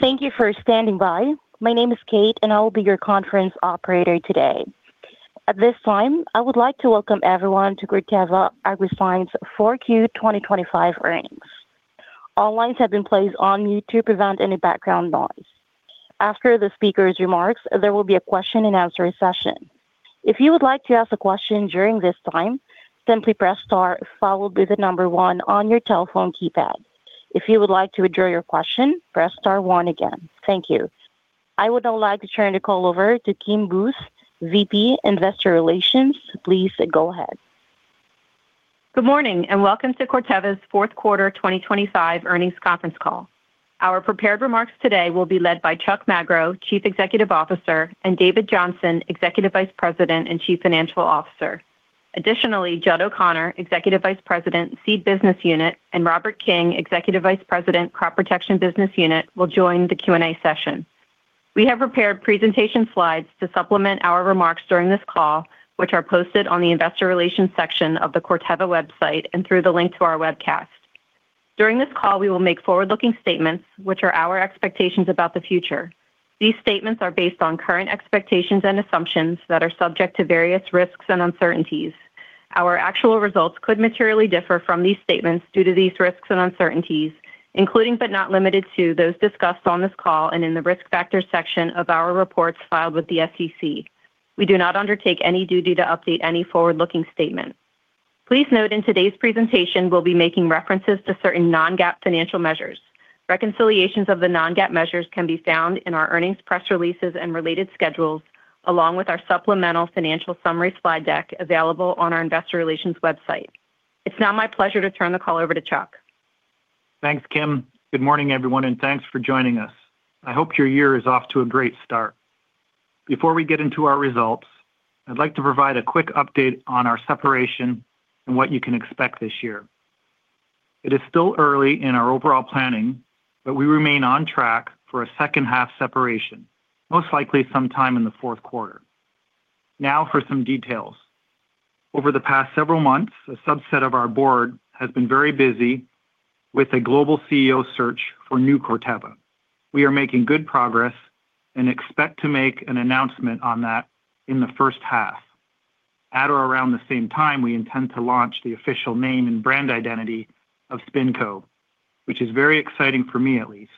Thank you for standing by. My name is Kate, and I will be your conference operator today. At this time, I would like to welcome everyone to Corteva Agriscience 4Q 2025 earnings. All lines have been placed on mute to prevent any background noise. After the speaker's remarks, there will be a question-and-answer session. If you would like to ask a question during this time, simply press star followed by the number one on your telephone keypad. If you would like to withdraw your question, press star 1 again. Thank you. I would now like to turn the call over to Kim Booth, VP Investor Relations. Please go ahead. Good morning and welcome to Corteva's 4th quarter 2025 earnings conference call. Our prepared remarks today will be led by Chuck Magro, Chief Executive Officer, and David Johnson, Executive Vice President and Chief Financial Officer. Additionally, Judd O'Connor, Executive Vice President, Seed Business Unit, and Robert King, Executive Vice President, Crop Protection Business Unit, will join the Q&A session. We have prepared presentation slides to supplement our remarks during this call, which are posted on the Investor Relations section of the Corteva website and through the link to our webcast. During this call, we will make forward-looking statements, which are our expectations about the future. These statements are based on current expectations and assumptions that are subject to various risks and uncertainties. Our actual results could materially differ from these statements due to these risks and uncertainties, including but not limited to those discussed on this call and in the risk factors section of our reports filed with the SEC. We do not undertake any duty to update any forward-looking statement. Please note, in today's presentation, we'll be making references to certain non-GAAP financial measures. Reconciliations of the non-GAAP measures can be found in our earnings press releases and related schedules, along with our supplemental financial summary slide deck available on our Investor Relations website. It's now my pleasure to turn the call over to Chuck. Thanks, Kim. Good morning, everyone, and thanks for joining us. I hope your year is off to a great start. Before we get into our results, I'd like to provide a quick update on our separation and what you can expect this year. It is still early in our overall planning, but we remain on track for a second-half separation, most likely sometime in the fourth quarter. Now for some details. Over the past several months, a subset of our board has been very busy with a global CEO search for new Corteva. We are making good progress and expect to make an announcement on that in the first half. At or around the same time, we intend to launch the official name and brand identity of SpinCo, which is very exciting for me, at least,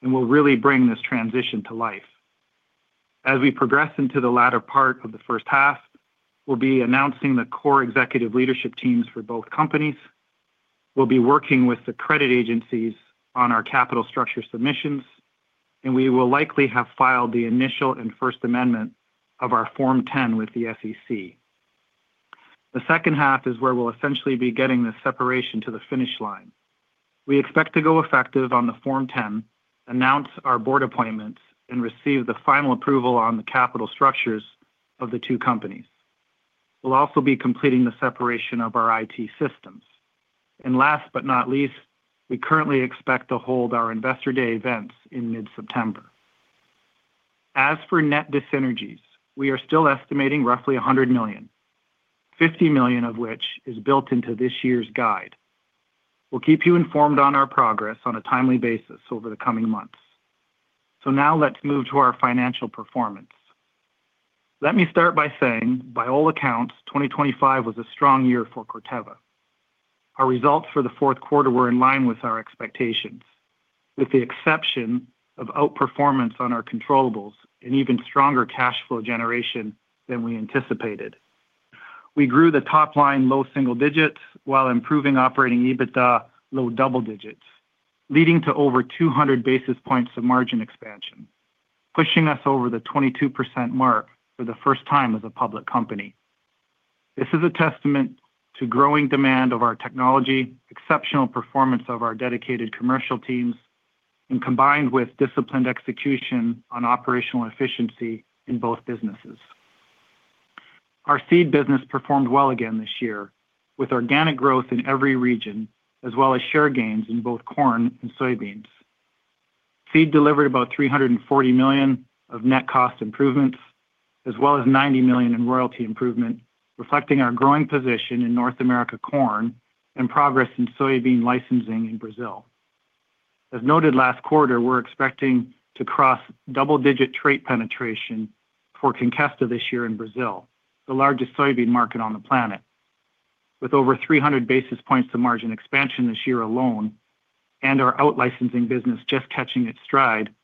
and will really bring this transition to life. As we progress into the latter part of the first half, we'll be announcing the core executive leadership teams for both companies. We'll be working with the credit agencies on our capital structure submissions, and we will likely have filed the initial and First Amendment of our Form 10 with the SEC. The second half is where we'll essentially be getting this separation to the finish line. We expect to go effective on the Form 10, announce our board appointments, and receive the final approval on the capital structures of the two companies. We'll also be completing the separation of our IT systems. And last but not least, we currently expect to hold our Investor Day events in mid-September. As for net dis-synergies, we are still estimating roughly $100 million, $50 million of which is built into this year's guide. We'll keep you informed on our progress on a timely basis over the coming months. So now let's move to our financial performance. Let me start by saying, by all accounts, 2025 was a strong year for Corteva. Our results for the fourth quarter were in line with our expectations, with the exception of outperformance on our controllables and even stronger cash flow generation than we anticipated. We grew the top line low single digits while improving operating EBITDA low double digits, leading to over 200 basis points of margin expansion, pushing us over the 22% mark for the first time as a public company. This is a testament to growing demand of our technology, exceptional performance of our dedicated commercial teams, and combined with disciplined execution on operational efficiency in both businesses. Our seed business performed well again this year, with organic growth in every region as well as share gains in both corn and soybeans. Seed delivered about $340 million of net cost improvements, as well as $90 million in royalty improvement, reflecting our growing position in North America corn and progress in soybean licensing in Brazil. As noted last quarter, we're expecting to cross double-digit trait penetration for Conkesta this year in Brazil, the largest soybean market on the planet. With over 300 basis points of margin expansion this year alone and our outlicensing business just catching its stride,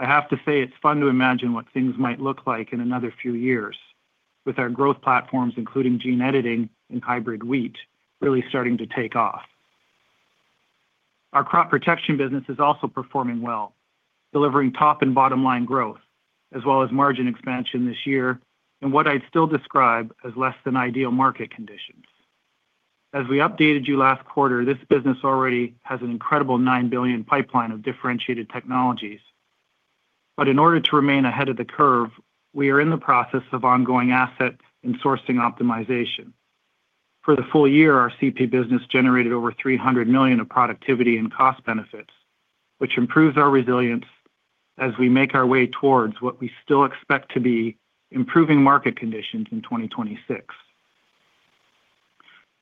I have to say it's fun to imagine what things might look like in another few years, with our growth platforms, including gene editing and hybrid wheat, really starting to take off. Our crop protection business is also performing well, delivering top and bottom line growth as well as margin expansion this year in what I'd still describe as less than ideal market conditions. As we updated you last quarter, this business already has an incredible $9 billion pipeline of differentiated technologies. But in order to remain ahead of the curve, we are in the process of ongoing asset and sourcing optimization. For the full year, our CP business generated over $300 million of productivity and cost benefits, which improves our resilience as we make our way towards what we still expect to be improving market conditions in 2026.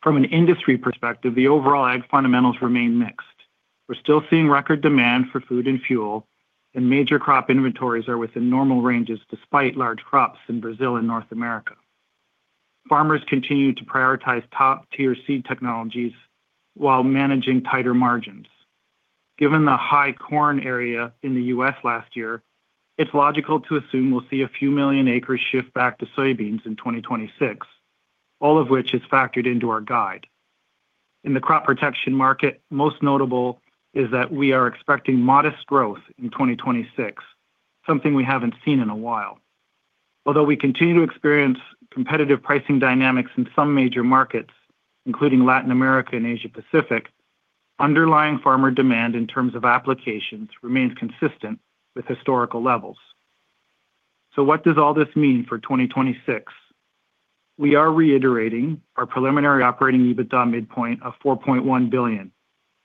From an industry perspective, the overall ag fundamentals remain mixed. We're still seeing record demand for food and fuel, and major crop inventories are within normal ranges despite large crops in Brazil and North America. Farmers continue to prioritize top-tier seed technologies while managing tighter margins. Given the high corn area in the U.S. last year, it's logical to assume we'll see a few million acres shift back to soybeans in 2026, all of which is factored into our guide. In the crop protection market, most notable is that we are expecting modest growth in 2026, something we haven't seen in a while. Although we continue to experience competitive pricing dynamics in some major markets, including Latin America and Asia-Pacific, underlying farmer demand in terms of applications remains consistent with historical levels. So what does all this mean for 2026? We are reiterating our preliminary operating EBITDA midpoint of $4.1 billion,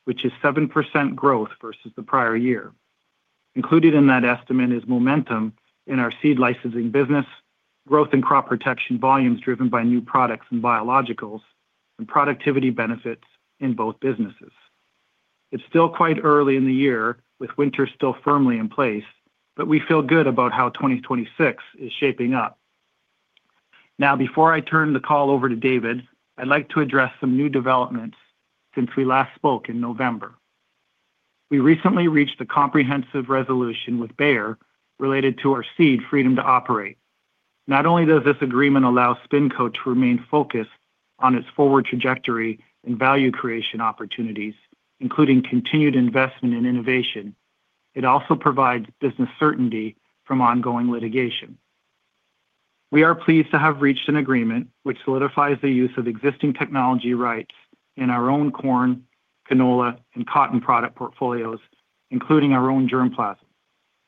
which is 7% growth versus the prior year. Included in that estimate is momentum in our seed licensing business, growth in crop protection volumes driven by new products and biologicals, and productivity benefits in both businesses. It's still quite early in the year, with winter still firmly in place, but we feel good about how 2026 is shaping up. Now, before I turn the call over to David, I'd like to address some new developments since we last spoke in November. We recently reached a comprehensive resolution with Bayer related to our seed freedom to operate. Not only does this agreement allow SpinCo to remain focused on its forward trajectory and value creation opportunities, including continued investment in innovation, it also provides business certainty from ongoing litigation. We are pleased to have reached an agreement which solidifies the use of existing technology rights in our own corn, canola, and cotton product portfolios, including our own germplasm.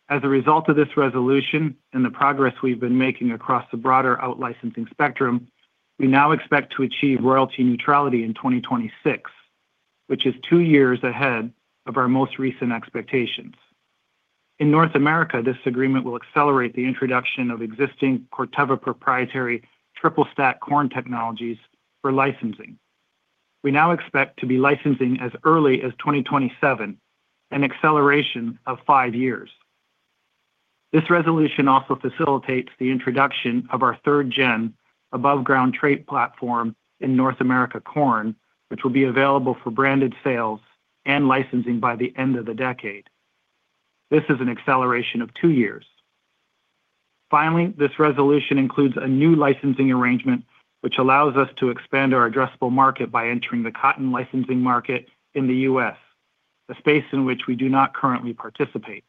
As a result of this resolution and the progress we've been making across the broader outlicensing spectrum, we now expect to achieve royalty neutrality in 2026, which is two years ahead of our most recent expectations. In North America, this agreement will accelerate the introduction of existing Corteva proprietary triple-stack corn technologies for licensing. We now expect to be licensing as early as 2027, an acceleration of five years. This resolution also facilitates the introduction of our third-gen above-ground trait platform in North America corn, which will be available for branded sales and licensing by the end of the decade. This is an acceleration of two years. Finally, this resolution includes a new licensing arrangement which allows us to expand our addressable market by entering the cotton licensing market in the U.S., a space in which we do not currently participate.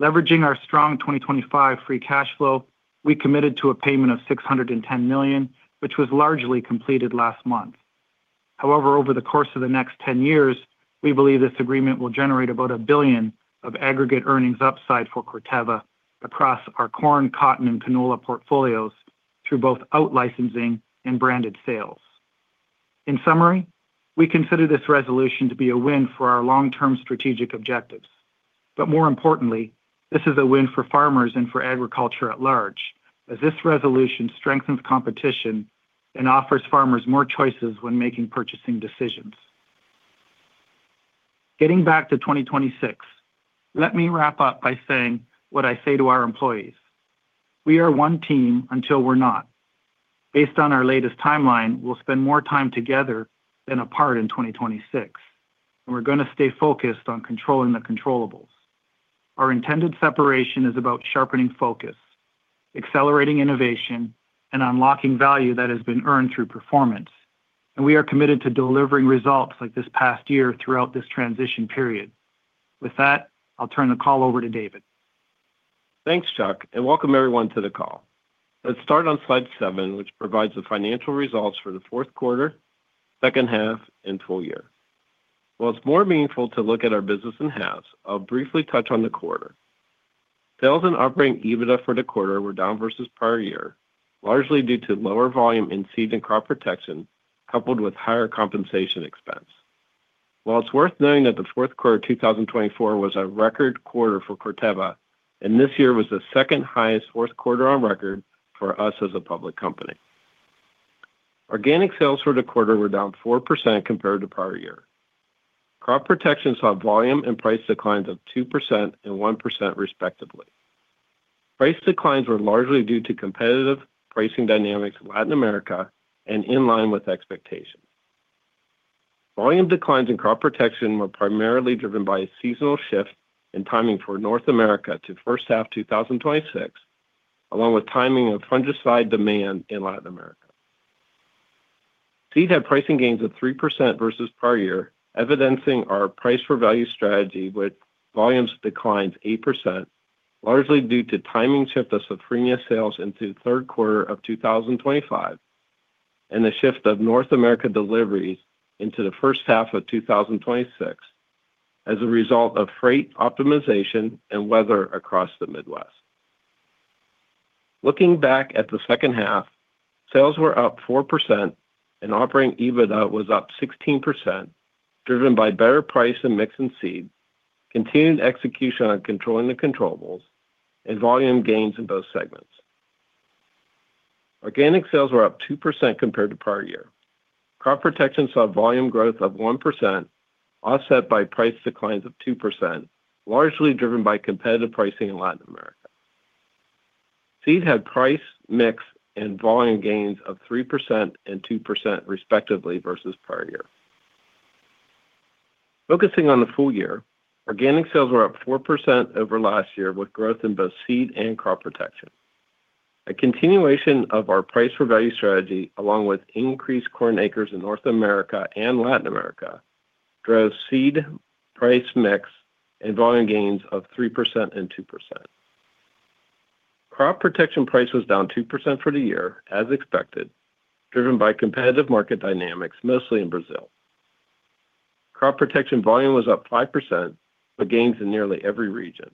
Leveraging our strong 2025 free cash flow, we committed to a payment of $610 million, which was largely completed last month. However, over the course of the next 10 years, we believe this agreement will generate about $1 billion of aggregate earnings upside for Corteva across our corn, cotton, and canola portfolios through both outlicensing and branded sales. In summary, we consider this resolution to be a win for our long-term strategic objectives. But more importantly, this is a win for farmers and for agriculture at large, as this resolution strengthens competition and offers farmers more choices when making purchasing decisions. Getting back to 2026, let me wrap up by saying what I say to our employees. We are one team until we're not. Based on our latest timeline, we'll spend more time together than apart in 2026, and we're going to stay focused on controlling the controllables. Our intended separation is about sharpening focus, accelerating innovation, and unlocking value that has been earned through performance. We are committed to delivering results like this past year throughout this transition period. With that, I'll turn the call over to David. Thanks, Chuck, and welcome everyone to the call. Let's start on slide 7, which provides the financial results for the fourth quarter, second half, and full year. While it's more meaningful to look at our business on halves, I'll briefly touch on the quarter. Sales and operating EBITDA for the quarter were down versus prior year, largely due to lower volume in seed and crop protection coupled with higher compensation expense. While it's worth noting that the fourth quarter 2024 was a record quarter for Corteva, and this year was the second highest fourth quarter on record for us as a public company. Organic sales for the quarter were down 4% compared to prior year. Crop protection saw volume and price declines of 2% and 1% respectively. Price declines were largely due to competitive pricing dynamics in Latin America and in line with expectations. Volume declines in crop protection were primarily driven by a seasonal shift in timing for North America to first half 2026, along with timing of fungicide demand in Latin America. Seed had pricing gains of 3% versus prior year, evidencing our price-for-value strategy with volume declines 8%, largely due to timing shift of Safrinha sales into third quarter of 2025 and the shift of North America deliveries into the first half of 2026 as a result of freight optimization and weather across the Midwest. Looking back at the second half, sales were up 4% and operating EBITDA was up 16%, driven by better price and mix in seed, continued execution on controlling the controllables, and volume gains in both segments. Organic sales were up 2% compared to prior year. Crop protection saw volume growth of 1% offset by price declines of 2%, largely driven by competitive pricing in Latin America. Seed had price, mix, and volume gains of 3% and 2% respectively versus prior year. Focusing on the full year, organic sales were up 4% over last year with growth in both seed and crop protection. A continuation of our price-for-value strategy along with increased corn acres in North America and Latin America drove seed, price, mix, and volume gains of 3% and 2%. Crop protection price was down 2% for the year, as expected, driven by competitive market dynamics, mostly in Brazil. Crop protection volume was up 5% with gains in nearly every region.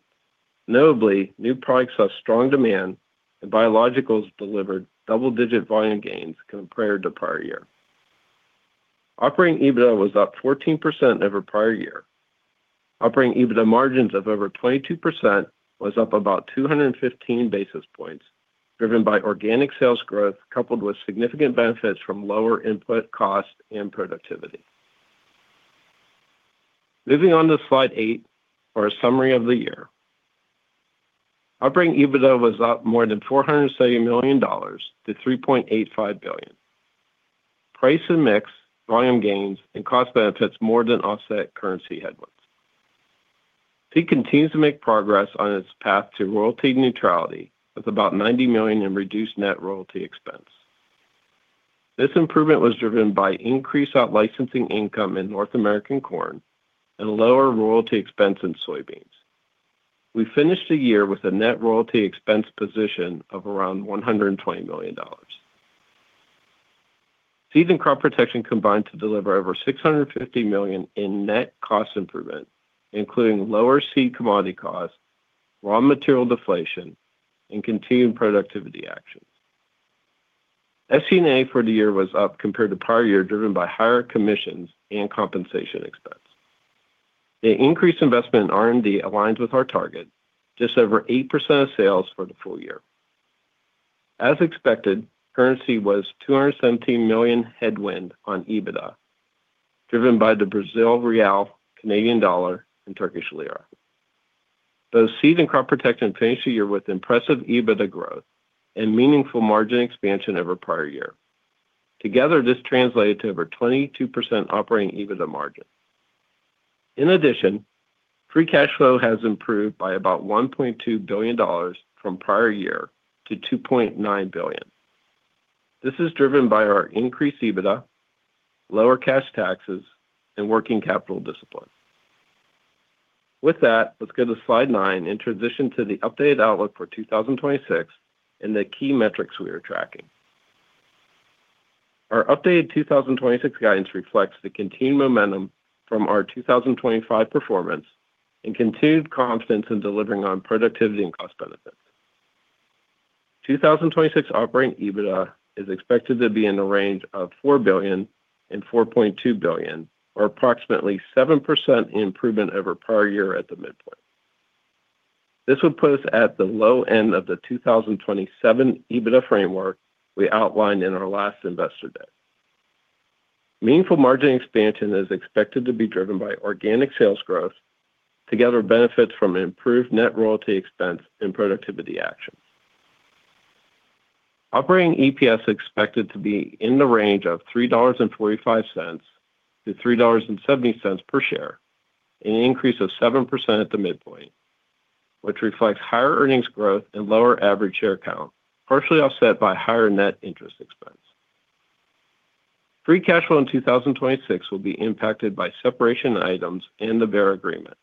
Notably, new products saw strong demand and biologicals delivered double-digit volume gains compared to prior year. Operating EBITDA was up 14% over prior year. Operating EBITDA margins of over 22% was up about 215 basis points, driven by organic sales growth coupled with significant benefits from lower input cost and productivity. Moving on to slide 8 for a summary of the year. Operating EBITDA was up more than $470 million-$3.85 billion. Price and mix, volume gains, and cost benefits more than offset currency headwinds. Seed continues to make progress on its path to royalty neutrality with about $90 million in reduced net royalty expense. This improvement was driven by increased outlicensing income in North American corn and lower royalty expense in soybeans. We finished the year with a net royalty expense position of around $120 million. Seed and crop protection combined to deliver over $650 million in net cost improvement, including lower seed commodity costs, raw material deflation, and continued productivity actions. SG&A for the year was up compared to prior year, driven by higher commissions and compensation expense. The increased investment in R&D aligns with our target, just over 8% of sales for the full year. As expected, currency was $217 million headwind on EBITDA, driven by the Brazilian real, Canadian dollar, and Turkish lira. Both seed and crop protection finished the year with impressive EBITDA growth and meaningful margin expansion over prior year. Together, this translated to over 22% operating EBITDA margin. In addition, free cash flow has improved by about $1.2 billion from prior year to $2.9 billion. This is driven by our increased EBITDA, lower cash taxes, and working capital discipline. With that, let's go to slide nine and transition to the updated outlook for 2026 and the key metrics we are tracking. Our updated 2026 guidance reflects the continued momentum from our 2025 performance and continued confidence in delivering on productivity and cost benefits. 2026 operating EBITDA is expected to be in the range of $4 billion-$4.2 billion, or approximately 7% improvement over prior year at the midpoint. This would put us at the low end of the 2027 EBITDA framework we outlined in our last investor deck. Meaningful margin expansion is expected to be driven by organic sales growth, together with benefits from improved net royalty expense and productivity actions. Operating EPS is expected to be in the range of $3.45-$3.70 per share, an increase of 7% at the midpoint, which reflects higher earnings growth and lower average share count, partially offset by higher net interest expense. Free cash flow in 2026 will be impacted by separation items and the Bayer agreement.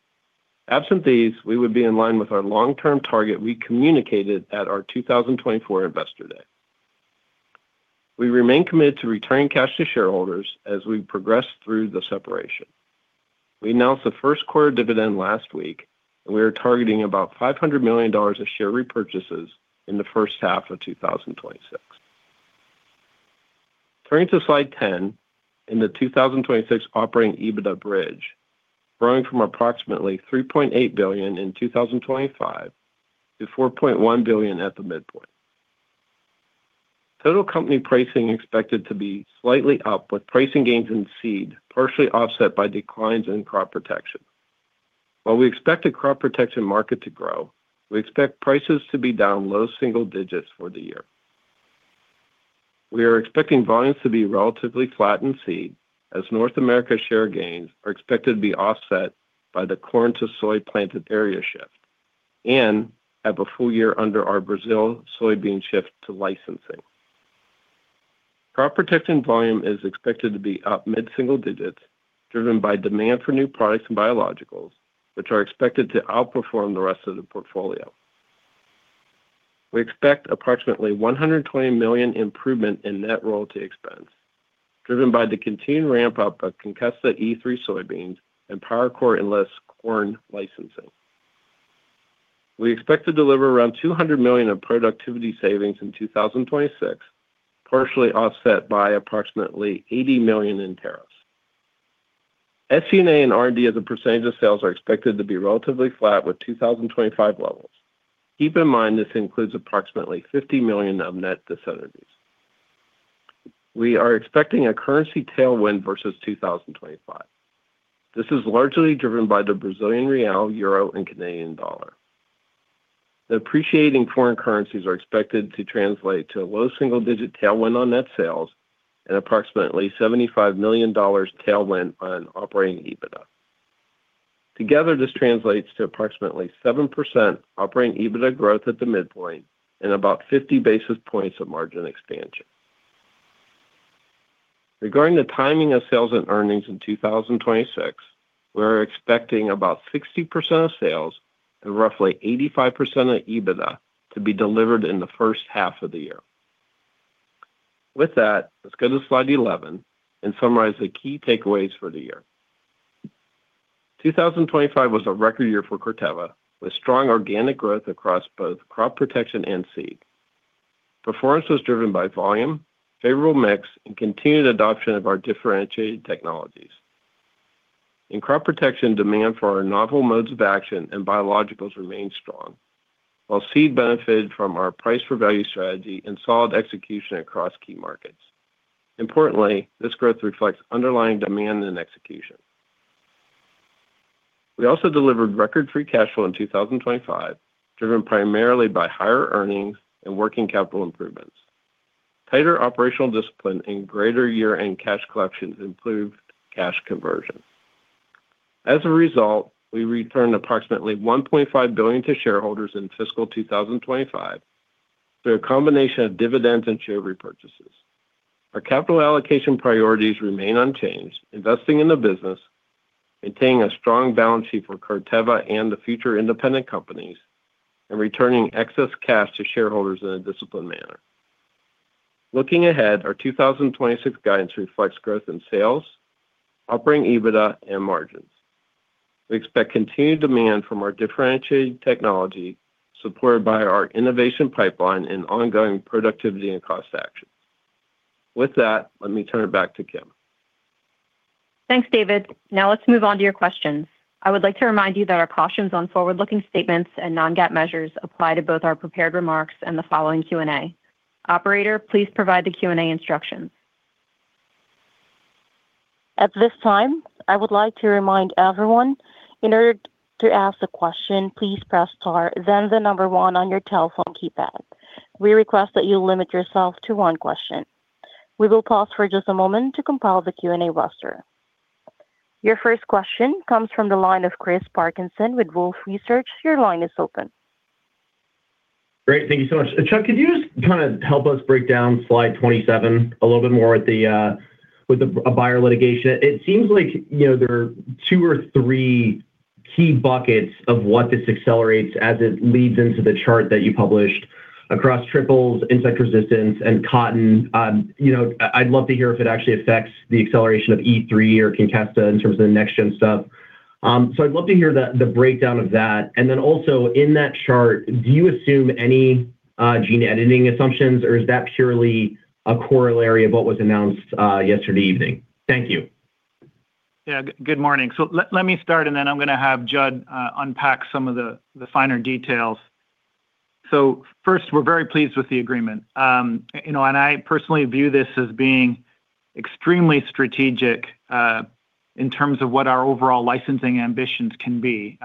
Absent these, we would be in line with our long-term target we communicated at our 2024 investor deck. We remain committed to returning cash to shareholders as we progress through the separation. We announced the first quarter dividend last week, and we are targeting about $500 million of share repurchases in the first half of 2026. Turning to slide 10 in the 2026 operating EBITDA bridge, growing from approximately $3.8 billion in 2025 to $4.1 billion at the midpoint. Total company pricing is expected to be slightly up, with pricing gains in seed partially offset by declines in crop protection. While we expect a crop protection market to grow, we expect prices to be down low single digits for the year. We are expecting volumes to be relatively flat in seed, as North America share gains are expected to be offset by the corn-to-soy planted area shift and have a full year under our Brazil soybean shift to licensing. Crop protection volume is expected to be up mid-single digits, driven by demand for new products and biologicals, which are expected to outperform the rest of the portfolio. We expect approximately $120 million improvement in net royalty expense, driven by the continued ramp-up of Conkesta E3 soybeans and PowerCore Enlist corn licensing. We expect to deliver around $200 million of productivity savings in 2026, partially offset by approximately $80 million in tariffs. SG&A and R&D as a percentage of sales are expected to be relatively flat with 2025 levels. Keep in mind this includes approximately $50 million of net dis-synergies. We are expecting a currency tailwind versus 2025. This is largely driven by the Brazilian real, euro, and Canadian dollar. The appreciating foreign currencies are expected to translate to a low single-digit tailwind on net sales and approximately $75 million tailwind on operating EBITDA. Together, this translates to approximately 7% operating EBITDA growth at the midpoint and about 50 basis points of margin expansion. Regarding the timing of sales and earnings in 2026, we are expecting about 60% of sales and roughly 85% of EBITDA to be delivered in the first half of the year. With that, let's go to slide 11 and summarize the key takeaways for the year. 2025 was a record year for Corteva, with strong organic growth across both crop protection and seed. Performance was driven by volume, favorable mix, and continued adoption of our differentiated technologies. In crop protection, demand for our novel modes of action and biologicals remained strong, while seed benefited from our price-for-value strategy and solid execution across key markets. Importantly, this growth reflects underlying demand and execution. We also delivered record free cash flow in 2025, driven primarily by higher earnings and working capital improvements. Tighter operational discipline and greater year-end cash collections improved cash conversion. As a result, we returned approximately $1.5 billion to shareholders in fiscal 2025 through a combination of dividends and share repurchases. Our capital allocation priorities remain unchanged: investing in the business, maintaining a strong balance sheet for Corteva and the future independent companies, and returning excess cash to shareholders in a disciplined manner. Looking ahead, our 2026 guidance reflects growth in sales, operating EBITDA, and margins. We expect continued demand from our differentiated technology, supported by our innovation pipeline and ongoing productivity and cost actions. With that, let me turn it back to Kim. Thanks, David. Now let's move on to your questions. I would like to remind you that our cautions on forward-looking statements and non-GAAP measures apply to both our prepared remarks and the following Q&A. Operator, please provide the Q&A instructions. At this time, I would like to remind everyone, in order to ask a question, please press star, then the number one on your telephone keypad. We request that you limit yourself to one question. We will pause for just a moment to compile the Q&A roster. Your first question comes from the line of Chris Parkinson with Wolfe Research. Your line is open. Great. Thank you so much. Chuck, could you just kind of help us break down slide 27 a little bit more with the Bayer litigation? It seems like there are two or three key buckets of what this accelerates as it leads into the chart that you published across triples, insect resistance, and cotton. I'd love to hear if it actually affects the acceleration of E3 or Conkesta in terms of the next-gen stuff. So I'd love to hear the breakdown of that. And then also, in that chart, do you assume any gene editing assumptions, or is that purely a corollary of what was announced yesterday evening? Thank you. Yeah. Good morning. Let me start, and then I'm going to have Judd unpack some of the finer details. First, we're very pleased with the agreement. I personally view this as being extremely strategic in terms of what our overall licensing ambitions can be.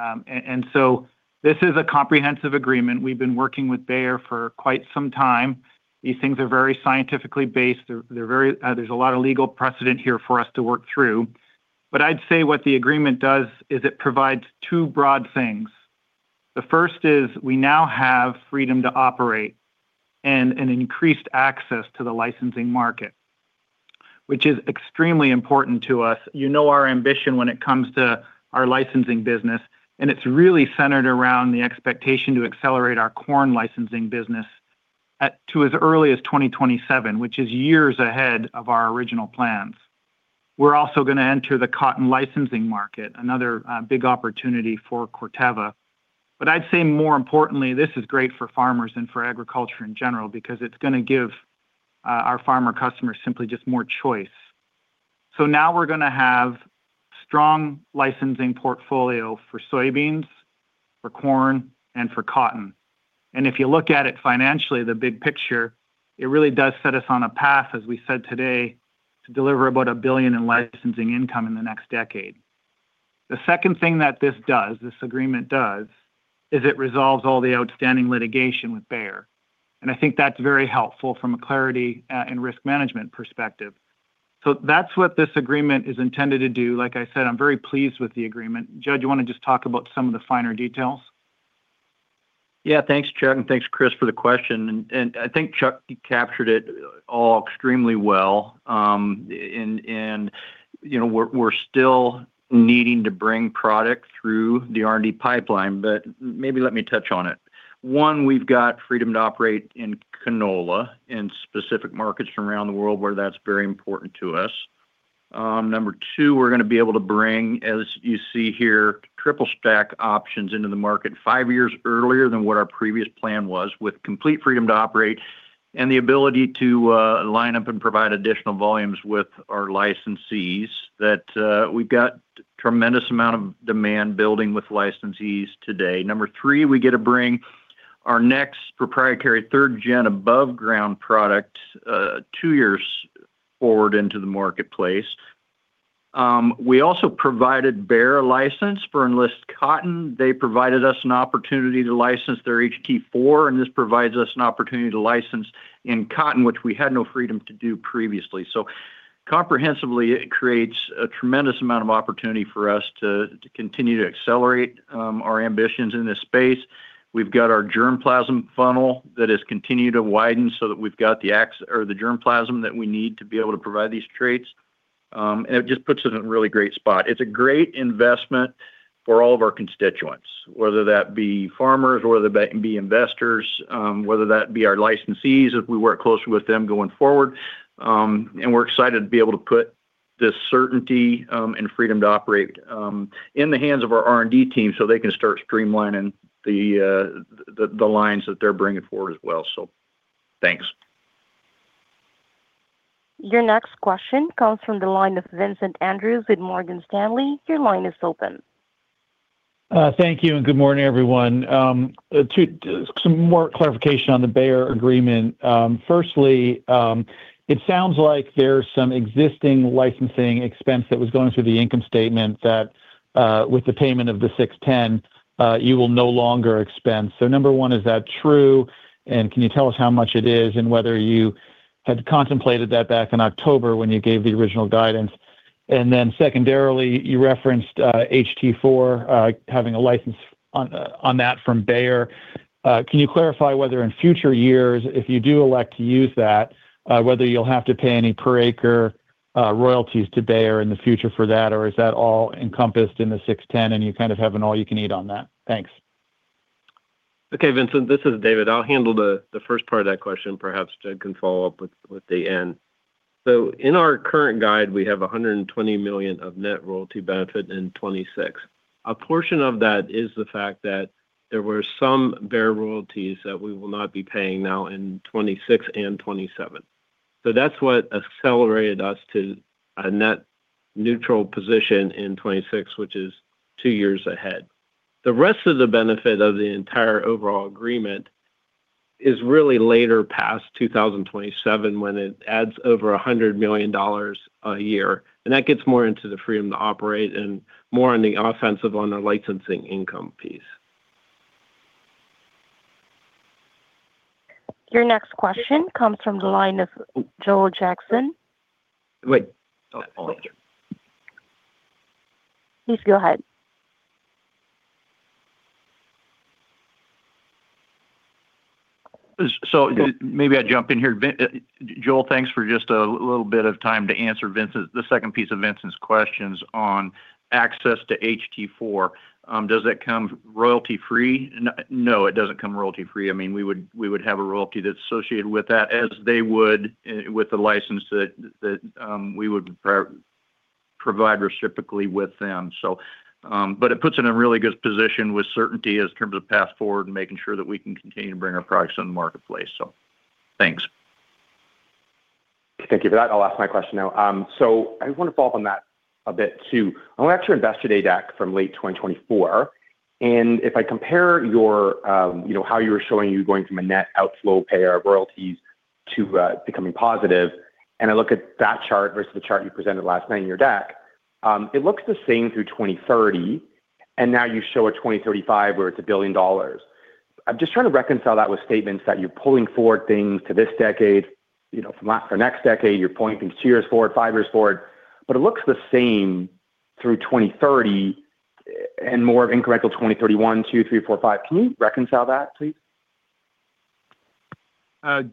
This is a comprehensive agreement. We've been working with Bayer for quite some time. These things are very scientifically based. There's a lot of legal precedent here for us to work through. But I'd say what the agreement does is it provides two broad things. The first is we now have freedom to operate and an increased access to the licensing market, which is extremely important to us. You know our ambition when it comes to our licensing business, and it's really centered around the expectation to accelerate our corn licensing business to as early as 2027, which is years ahead of our original plans. We're also going to enter the cotton licensing market, another big opportunity for Corteva. But I'd say more importantly, this is great for farmers and for agriculture in general because it's going to give our farmer customers simply just more choice. So now we're going to have a strong licensing portfolio for soybeans, for corn, and for cotton. And if you look at it financially, the big picture, it really does set us on a path, as we said today, to deliver about $1 billion in licensing income in the next decade. The second thing that this agreement does is it resolves all the outstanding litigation with Bayer. I think that's very helpful from a clarity and risk management perspective. That's what this agreement is intended to do. Like I said, I'm very pleased with the agreement. Judd, you want to just talk about some of the finer details. Yeah. Thanks, Chuck, and thanks, Chris, for the question. I think Chuck captured it all extremely well. We're still needing to bring product through the R&D pipeline, but maybe let me touch on it. One, we've got freedom to operate in canola in specific markets from around the world where that's very important to us. Number two, we're going to be able to bring, as you see here, triple-stack options into the market 5 years earlier than what our previous plan was, with complete freedom to operate and the ability to line up and provide additional volumes with our licensees. We've got a tremendous amount of demand building with licensees today. Number three, we get to bring our next proprietary third-gen above-ground product 2 years forward into the marketplace. We also provided Bayer license for Enlist Cotton. They provided us an opportunity to license their HT4, and this provides us an opportunity to license in cotton, which we had no freedom to do previously. So comprehensively, it creates a tremendous amount of opportunity for us to continue to accelerate our ambitions in this space. We've got our germplasm funnel that has continued to widen so that we've got the germplasm that we need to be able to provide these traits. And it just puts us in a really great spot. It's a great investment for all of our constituents, whether that be farmers, whether that be investors, whether that be our licensees, if we work closely with them going forward. And we're excited to be able to put this certainty and freedom to operate in the hands of our R&D team so they can start streamlining the lines that they're bringing forward as well. So thanks. Your next question comes from the line of Vincent Andrews with Morgan Stanley. Your line is open. Thank you, and good morning, everyone. Some more clarification on the Bayer agreement. Firstly, it sounds like there's some existing licensing expense that was going through the income statement that, with the payment of the $610, you will no longer expense. So number one, is that true? And can you tell us how much it is and whether you had contemplated that back in October when you gave the original guidance? And then secondarily, you referenced HT4, having a license on that from Bayer. Can you clarify whether, in future years, if you do elect to use that, whether you'll have to pay any per-acre royalties to Bayer in the future for that, or is that all encompassed in the $610 and you kind of have an all-you-can-eat on that? Thanks. Okay, Vincent. This is David. I'll handle the first part of that question. Perhaps Judd can follow up with the end. In our current guide, we have $120 million of net royalty benefit in 2026. A portion of that is the fact that there were some Bayer royalties that we will not be paying now in 2026 and 2027. That's what accelerated us to a net-neutral position in 2026, which is two years ahead. The rest of the benefit of the entire overall agreement is really later past 2027 when it adds over $100 million a year. And that gets more into the freedom to operate and more on the offensive on the licensing income piece. Your next question comes from the line of Joel Jackson. Wait. Please go ahead. So maybe I jump in here. Joel, thanks, just a little bit of time to answer the second piece of Vincent's questions on access to HT4. Does that come royalty-free? No, it doesn't come royalty-free. I mean, we would have a royalty that's associated with that as they would with the license that we would provide reciprocally with them. But it puts in a really good position with certainty in terms of path forward and making sure that we can continue to bring our products to the marketplace. So thanks. Thank you for that. I'll ask my question now. So I want to follow up on that a bit too. I went out to your investor day deck from late 2024. And if I compare how you were showing you going from a net outflow payer of royalties to becoming positive, and I look at that chart versus the chart you presented last night in your deck, it looks the same through 2030. And now you show a 2035 where it's $1 billion. I'm just trying to reconcile that with statements that you're pulling forward things to this decade, for next decade. You're pointing 2 years forward, 5 years forward. But it looks the same through 2030 and more of incremental 2031, 2032, 2033, 2034, 2035. Can you reconcile that, please?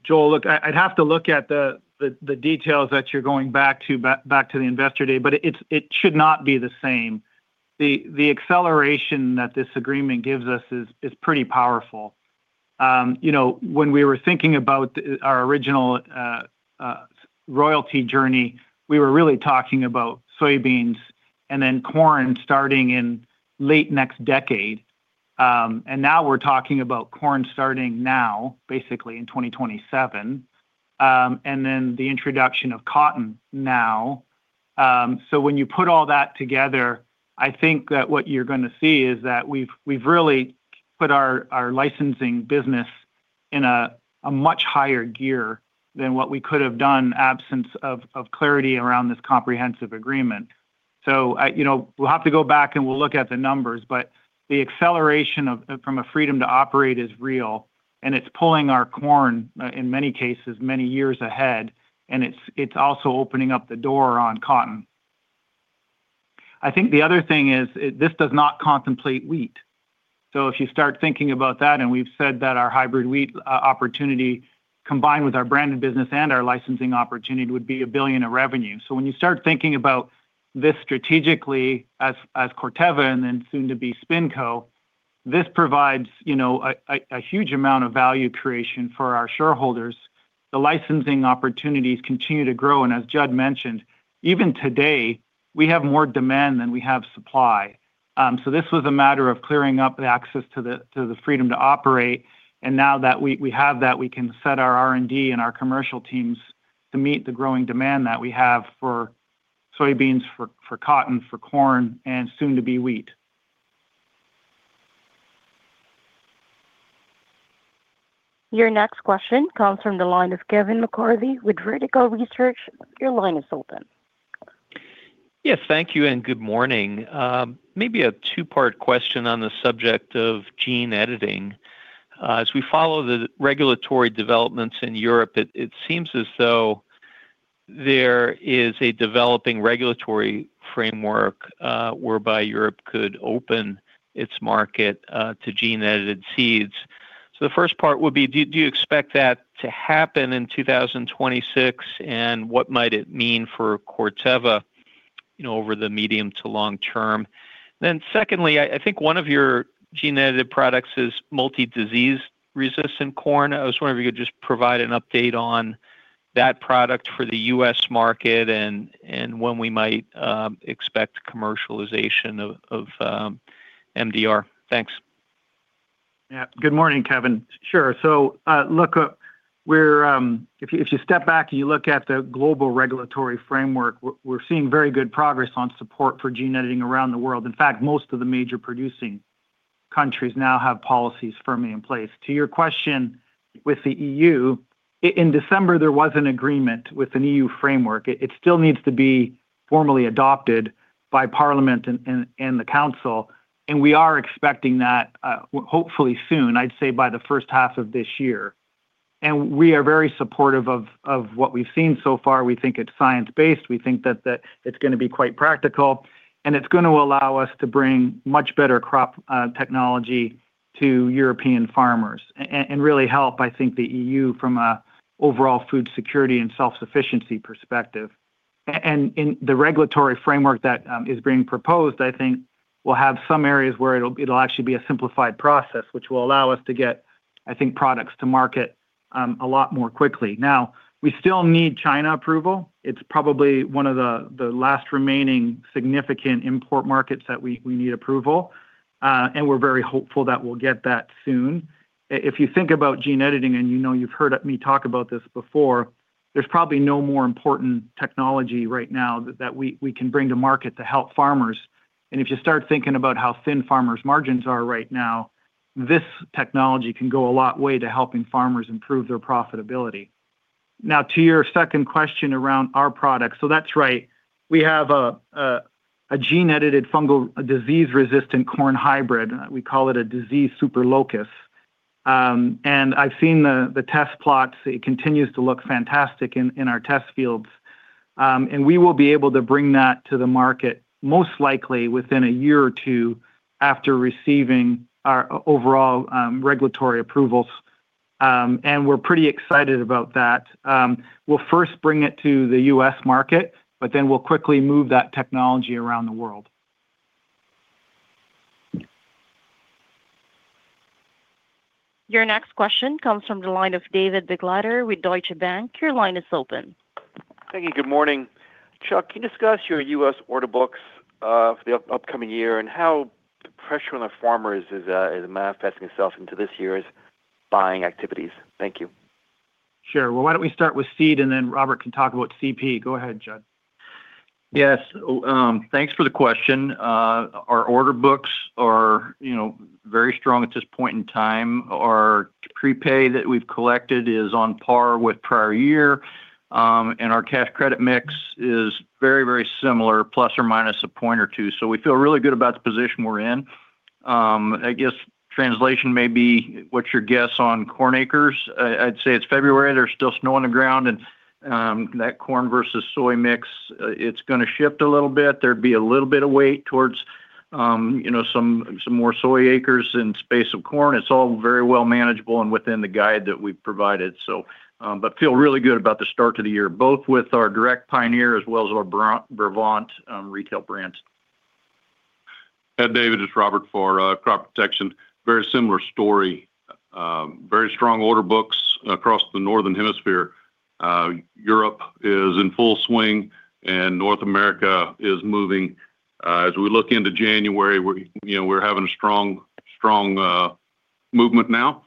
Joel, look, I'd have to look at the details that you're going back to, back to the Investor Day, but it should not be the same. The acceleration that this agreement gives us is pretty powerful. When we were thinking about our original royalty journey, we were really talking about soybeans and then corn starting in late next decade. And now we're talking about corn starting now, basically, in 2027, and then the introduction of cotton now. So when you put all that together, I think that what you're going to see is that we've really put our licensing business in a much higher gear than what we could have done in the absence of clarity around this comprehensive agreement. So we'll have to go back and we'll look at the numbers. But the acceleration from a freedom to operate is real. It's pulling our corn, in many cases, many years ahead. It's also opening up the door on cotton. I think the other thing is this does not contemplate wheat. So if you start thinking about that, and we've said that our hybrid wheat opportunity, combined with our branded business and our licensing opportunity, would be $1 billion in revenue. So when you start thinking about this strategically as Corteva and then soon to be SpinCo, this provides a huge amount of value creation for our shareholders. The licensing opportunities continue to grow. And as Judd mentioned, even today, we have more demand than we have supply. So this was a matter of clearing up the access to the freedom to operate. Now that we have that, we can set our R&D and our commercial teams to meet the growing demand that we have for soybeans, for cotton, for corn, and soon to be wheat. Your next question comes from the line of Kevin McCarthy with Vertical Research. Your line is open. Yes. Thank you and good morning. Maybe a two-part question on the subject of gene editing. As we follow the regulatory developments in Europe, it seems as though there is a developing regulatory framework whereby Europe could open its market to gene-edited seeds. So the first part would be, do you expect that to happen in 2026? And what might it mean for Corteva over the medium to long term? Then secondly, I think one of your gene-edited products is multi-disease-resistant corn. I was wondering if you could just provide an update on that product for the U.S. market and when we might expect commercialization of MDR? Thanks. Yeah. Good morning, Kevin. Sure. So look, if you step back and you look at the global regulatory framework, we're seeing very good progress on support for gene editing around the world. In fact, most of the major producing countries now have policies firmly in place. To your question with the EU, in December, there was an agreement with an EU framework. It still needs to be formally adopted by Parliament and the Council. We are expecting that, hopefully soon, I'd say by the first half of this year. We are very supportive of what we've seen so far. We think it's science-based. We think that it's going to be quite practical. It's going to allow us to bring much better crop technology to European farmers and really help, I think, the EU from an overall food security and self-sufficiency perspective. And the regulatory framework that is being proposed, I think, will have some areas where it'll actually be a simplified process, which will allow us to get, I think, products to market a lot more quickly. Now, we still need China approval. It's probably one of the last remaining significant import markets that we need approval. And we're very hopeful that we'll get that soon. If you think about gene editing and you've heard me talk about this before, there's probably no more important technology right now that we can bring to market to help farmers. And if you start thinking about how thin farmers' margins are right now, this technology can go a long way to helping farmers improve their profitability. Now, to your second question around our product, so that's right. We have a gene-edited fungal, disease-resistant corn hybrid. We call it a Disease Super Locus. I've seen the test plots. It continues to look fantastic in our test fields. We will be able to bring that to the market, most likely, within a year or two after receiving our overall regulatory approvals. We're pretty excited about that. We'll first bring it to the U.S. market, but then we'll quickly move that technology around the world. Your next question comes from the line of David Begleiter with Deutsche Bank. Your line is open. Thank you. Good morning. Chuck, can you discuss your U.S. order books for the upcoming year and how the pressure on the farmers is manifesting itself into this year's buying activities? Thank you. Sure. Well, why don't we start with seed, and then Robert can talk about CP. Go ahead, Judd. Yes. Thanks for the question. Our order books are very strong at this point in time. Our prepay that we've collected is on par with prior year. And our cash-credit mix is very, very similar, plus or minus a point or two. So we feel really good about the position we're in. I guess translation may be what's your guess on corn acres. I'd say it's February. There's still snow on the ground. And that corn versus soy mix, it's going to shift a little bit. There'd be a little bit of weight towards some more soy acres in place of corn. It's all very well manageable and within the guide that we've provided, so. But feel really good about the start to the year, both with our direct Pioneer as well as our Brevant retail brand. Hey, David. It's Robert for Crop Protection. Very similar story. Very strong order books across the northern hemisphere. Europe is in full swing, and North America is moving. As we look into January, we're having a strong movement now.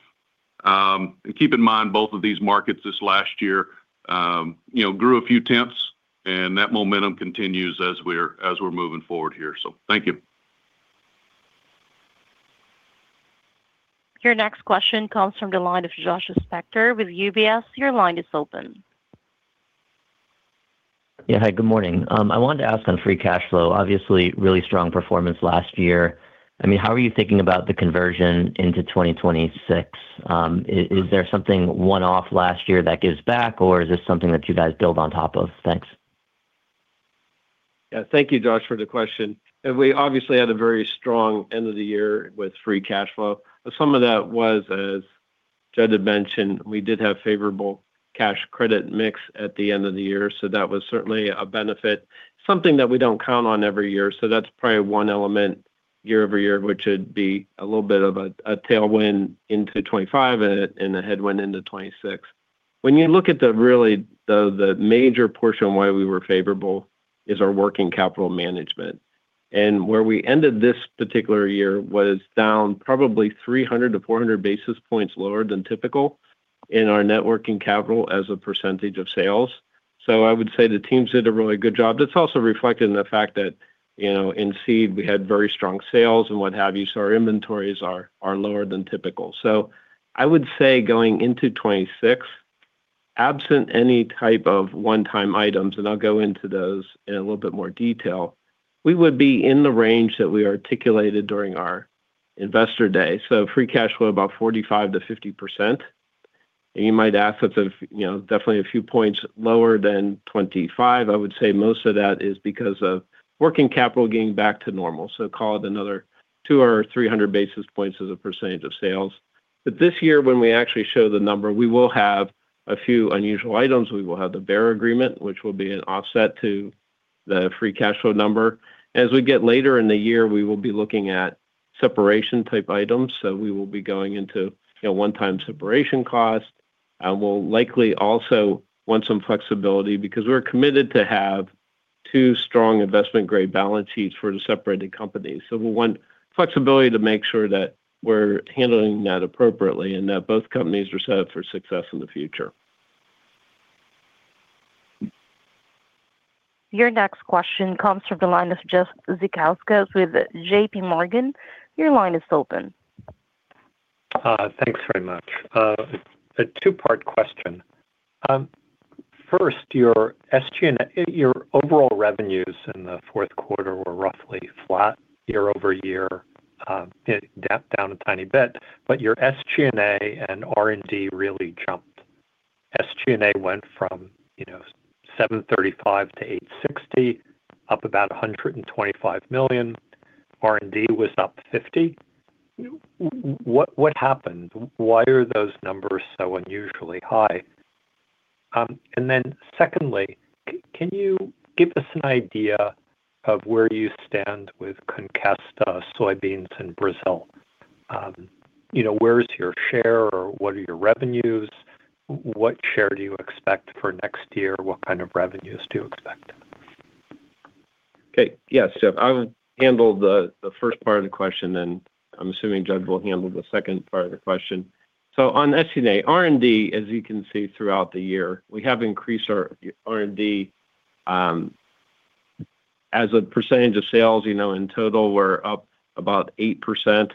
Keep in mind, both of these markets this last year grew a few tenths, and that momentum continues as we're moving forward here. Thank you. Your next question comes from the line of Josh Spector with UBS. Your line is open. Yeah. Hi. Good morning. I wanted to ask on free cash flow. Obviously, really strong performance last year. I mean, how are you thinking about the conversion into 2026? Is there something one-off last year that gives back, or is this something that you guys build on top of? Thanks. Yeah. Thank you, Josh, for the question. We obviously had a very strong end of the year with free cash flow. Some of that was, as Judd had mentioned, we did have favorable cash-credit mix at the end of the year. So that was certainly a benefit, something that we don't count on every year. So that's probably one element year over year, which would be a little bit of a tailwind into 2025 and a headwind into 2026. When you look at it really, though, the major portion of why we were favorable is our working capital management. Where we ended this particular year was down probably 300-400 basis points lower than typical in our net working capital as a percentage of sales. So I would say the team did a really good job. That's also reflected in the fact that in seed, we had very strong sales and what have you. So our inventories are lower than typical. So I would say going into 2026, absent any type of one-time items - and I'll go into those in a little bit more detail - we would be in the range that we articulated during our investor day. So free cash flow, about 45%-50%. And you might ask if it's definitely a few points lower than 2025. I would say most of that is because of working capital getting back to normal. So call it another 200 or 300 basis points as a percentage of sales. But this year, when we actually show the number, we will have a few unusual items. We will have the Bayer agreement, which will be an offset to the free cash flow number. As we get later in the year, we will be looking at separation-type items. We will be going into one-time separation cost. We'll likely also want some flexibility because we're committed to have two strong investment-grade balance sheets for the separated companies. We'll want flexibility to make sure that we're handling that appropriately and that both companies are set up for success in the future. Your next question comes from the line of Jeff Zekauskas with J.P. Morgan. Your line is open. Thanks very much. A two-part question. First, your overall revenues in the fourth quarter were roughly flat year over year, down a tiny bit. But your SG&A and R&D really jumped. SG&A went from $735 million to $860 million, up about $125 million. R&D was up $50 million. What happened? Why are those numbers so unusually high? And then secondly, can you give us an idea of where you stand with Conkesta, soybeans, and Brazil? Where's your share, or what are your revenues? What share do you expect for next year? What kind of revenues do you expect? Okay. Yeah. So I'll handle the first part of the question, and I'm assuming Judd will handle the second part of the question. So on SG&A, R&D, as you can see throughout the year, we have increased our R&D. As a percentage of sales in total, we're up about 8%.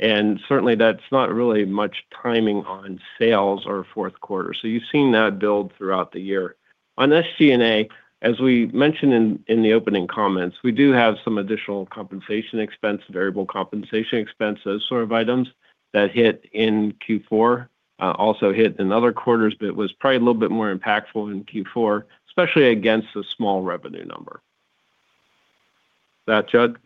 And certainly, that's not really much timing on sales our fourth quarter. So you've seen that build throughout the year. On SG&A, as we mentioned in the opening comments, we do have some additional compensation expense, variable compensation expense, those sort of items that hit in Q4, also hit in other quarters, but was probably a little bit more impactful in Q4, especially against a small revenue number. Is that Judd?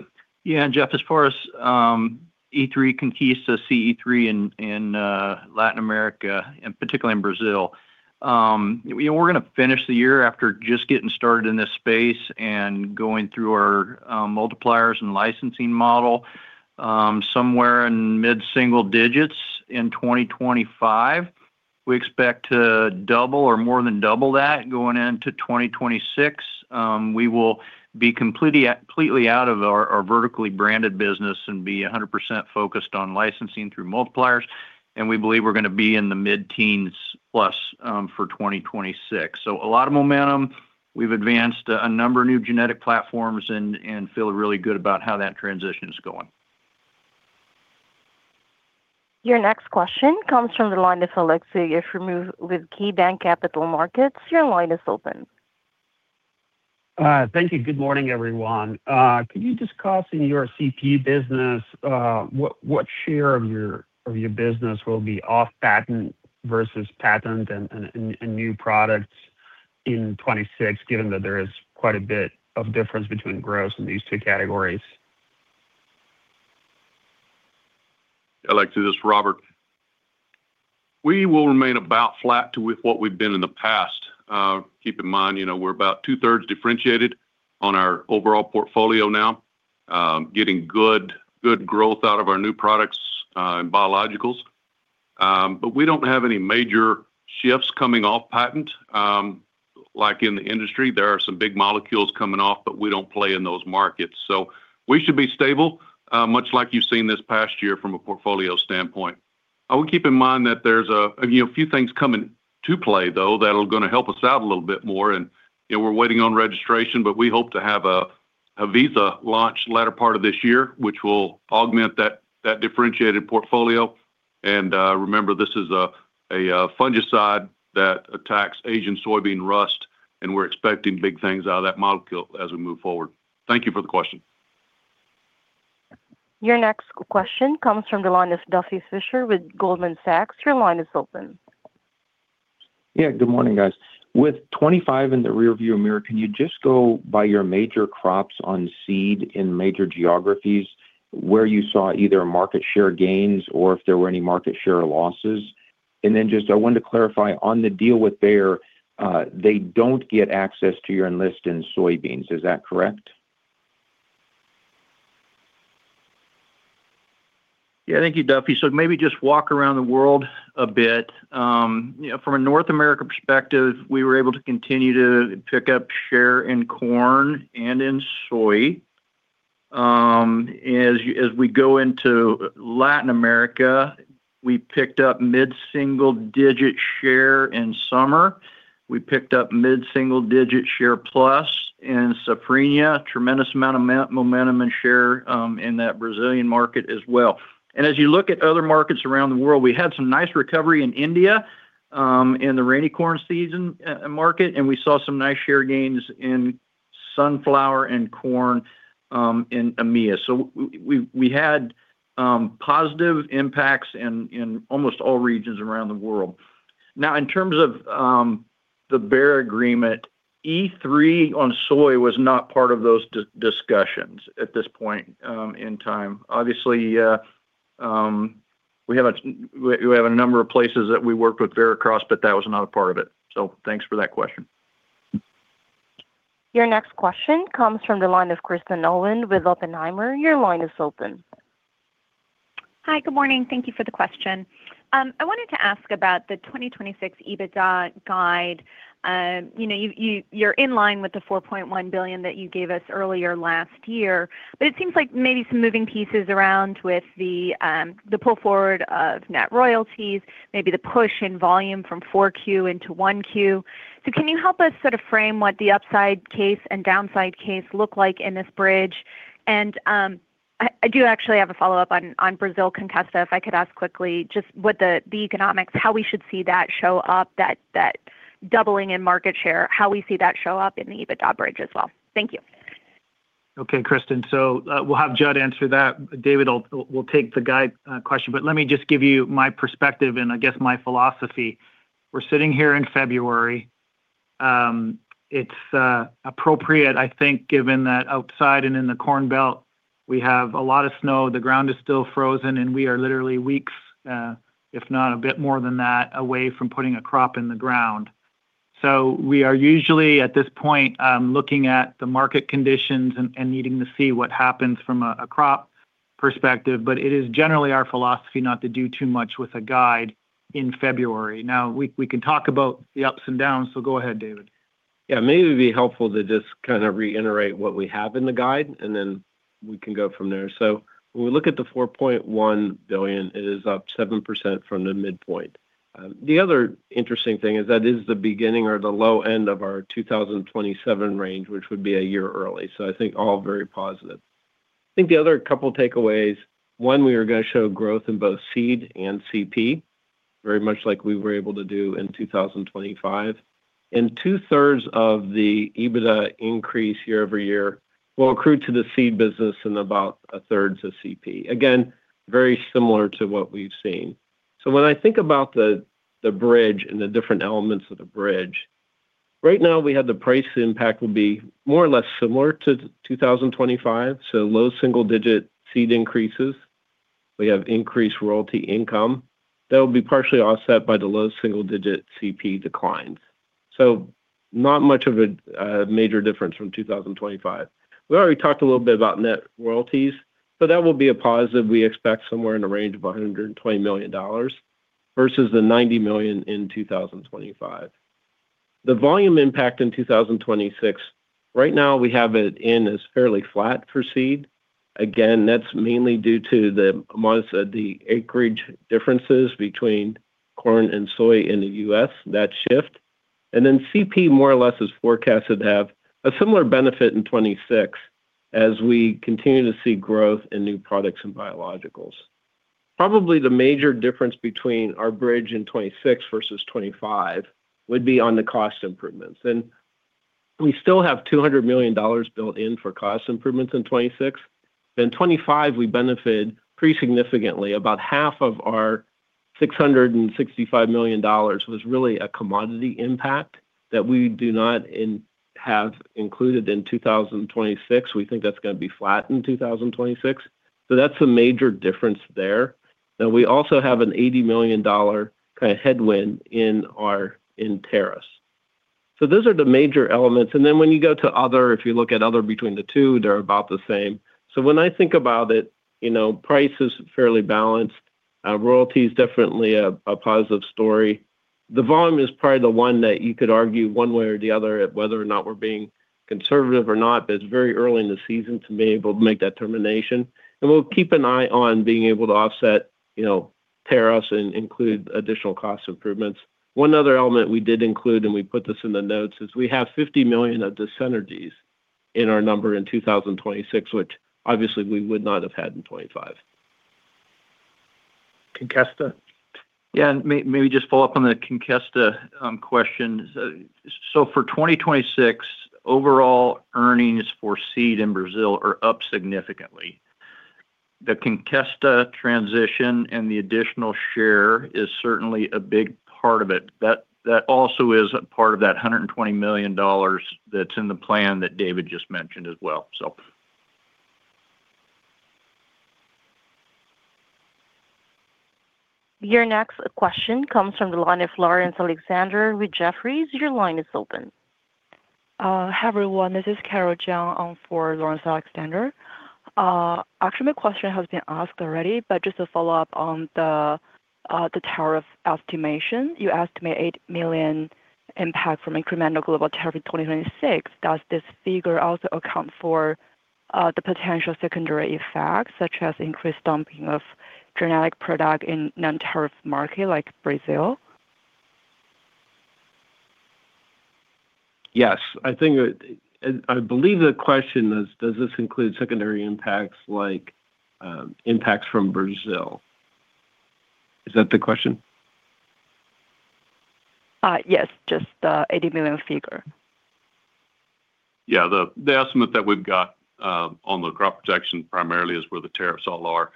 Yeah. And Jeff, as far as Enlist E3, Conkesta, Conkesta E3 in Latin America, and particularly in Brazil, we're going to finish the year after just getting started in this space and going through our multipliers and licensing model. Somewhere in mid-single digits in 2025, we expect to double or more than double that going into 2026. We will be completely out of our vertically branded business and be 100% focused on licensing through multipliers. And we believe we're going to be in the mid-teens plus for 2026. So a lot of momentum. We've advanced a number of new genetic platforms and feel really good about how that transition is going. Your next question comes from the line of Aleksey Yefremov with KeyBanc Capital Markets. Your line is open. Thank you. Good morning, everyone. Could you discuss in your CP business what share of your business will be off-patent versus patented and new products in 2026, given that there is quite a bit of difference between gross in these two categories? Aleksey, this is Robert. We will remain about flat with what we've been in the past. Keep in mind, we're about two-thirds differentiated on our overall portfolio now, getting good growth out of our new products and biologicals. But we don't have any major shifts coming off-patent. Like in the industry, there are some big molecules coming off, but we don't play in those markets. So we should be stable, much like you've seen this past year from a portfolio standpoint. I would keep in mind that there's a few things coming to play, though, that are going to help us out a little bit more. And we're waiting on registration, but we hope to have a visa launch later part of this year, which will augment that differentiated portfolio. Remember, this is a fungicide that attacks Asian soybean rust, and we're expecting big things out of that molecule as we move forward. Thank you for the question. Your next question comes from the line of Duffy Fischer with Goldman Sachs. Your line is open. Yeah. Good morning, guys. With 2025 in the rearview mirror, can you just go by your major crops on seed in major geographies, where you saw either market share gains or if there were any market share losses? And then just I wanted to clarify, on the deal with Bayer, they don't get access to your Enlist soybeans. Is that correct? Yeah. Thank you, Duffy. So maybe just walk around the world a bit. From a North America perspective, we were able to continue to pick up share in corn and in soy. As we go into Latin America, we picked up mid-single digit share in summer. We picked up mid-single digit share plus in Safrinha, tremendous amount of momentum and share in that Brazilian market as well. And as you look at other markets around the world, we had some nice recovery in India in the rainy corn season market, and we saw some nice share gains in sunflower and corn in EMEA. So we had positive impacts in almost all regions around the world. Now, in terms of the Bayer agreement, E3 on soy was not part of those discussions at this point in time. Obviously, we have a number of places that we worked with Veracross, but that was not a part of it. So thanks for that question. Your next question comes from the line of Kristen Owen with Oppenheimer. Your line is open. Hi. Good morning. Thank you for the question. I wanted to ask about the 2026 EBITDA guide. You're in line with the $4.1 billion that you gave us earlier last year, but it seems like maybe some moving pieces around with the pull forward of net royalties, maybe the push in volume from 4Q into 1Q. So can you help us sort of frame what the upside case and downside case look like in this bridge? And I do actually have a follow-up on Brazil Conkesta. If I could ask quickly, just the economics, how we should see that show up, that doubling in market share, how we see that show up in the EBITDA bridge as well. Thank you. Okay, Kristen. So we'll have Judd answer that. David, we'll take the guide question. But let me just give you my perspective and, I guess, my philosophy. We're sitting here in February. It's appropriate, I think, given that outside and in the corn belt, we have a lot of snow. The ground is still frozen, and we are literally weeks, if not a bit more than that, away from putting a crop in the ground. So we are usually, at this point, looking at the market conditions and needing to see what happens from a crop perspective. But it is generally our philosophy not to do too much with a guide in February. Now, we can talk about the ups and downs. So go ahead, David. Yeah. Maybe it'd be helpful to just kind of reiterate what we have in the guide, and then we can go from there. So when we look at the $4.1 billion, it is up 7% from the midpoint. The other interesting thing is that is the beginning or the low end of our 2027 range, which would be a year early. So I think all very positive. I think the other couple of takeaways, one, we are going to show growth in both seed and CP, very much like we were able to do in 2025. And two-thirds of the EBITDA increase year-over-year will accrue to the seed business and about a third to CP. Again, very similar to what we've seen. So when I think about the bridge and the different elements of the bridge, right now, we have the price impact will be more or less similar to 2025. So low single-digit seed increases. We have increased royalty income. That will be partially offset by the low single-digit CP declines. So not much of a major difference from 2025. We already talked a little bit about net royalties, but that will be a positive. We expect somewhere in the range of $120 million versus $90 million in 2025. The volume impact in 2026, right now, we have it in as fairly flat for seed. Again, that's mainly due to the acreage differences between corn and soy in the US, that shift. And then CP, more or less, is forecasted to have a similar benefit in 2026 as we continue to see growth in new products and biologicals. Probably the major difference between our bridge in 2026 versus 2025 would be on the cost improvements. We still have $200 million built in for cost improvements in 2026. In 2025, we benefited pretty significantly. About half of our $665 million was really a commodity impact that we do not have included in 2026. We think that's going to be flat in 2026. That's a major difference there. Now, we also have an $80 million kind of headwind in tariffs. Those are the major elements. Then when you go to other, if you look at other between the two, they're about the same. When I think about it, price is fairly balanced. Royalties are definitely a positive story. The volume is probably the one that you could argue one way or the other whether or not we're being conservative or not, but it's very early in the season to be able to make that determination. And we'll keep an eye on being able to offset tariffs and include additional cost improvements. One other element we did include, and we put this in the notes, is we have $50 million of dis-synergies in our number in 2026, which obviously, we would not have in 2025. Conkesta? Yeah. Maybe just follow up on the Conkesta question. So for 2026, overall earnings for seed in Brazil are up significantly. The Conkesta transition and the additional share is certainly a big part of it. That also is part of that $120 million that's in the plan that David just mentioned as well, so. Your next question comes from the line of Laurence Alexander with Jefferies. Your line is open. Hi, everyone. This is Carol Jiang for Laurence Alexander. Actually, my question has been asked already, but just a follow-up on the tariff estimation. You estimate $8 million impact from incremental global tariff in 2026. Does this figure also account for the potential secondary effects, such as increased dumping of genetic product in non-tariff markets like Brazil? Yes. I believe the question is, does this include secondary impacts like impacts from Brazil? Is that the question? Yes. Just the $80 million figure. Yeah. The estimate that we've got on the crop protection primarily is where the tariffs all are,